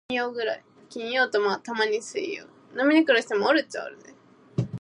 Alexander Bone, a saxophonist, was the inaugural winner.